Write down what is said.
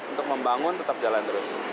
untuk membangun tetap jalan terus